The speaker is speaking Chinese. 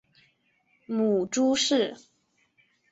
母朱氏。